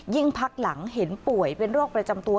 พักหลังเห็นป่วยเป็นโรคประจำตัว